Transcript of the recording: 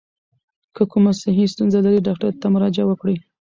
که کومه صحي ستونزه لرئ، ډاکټر ته مراجعه وکړئ.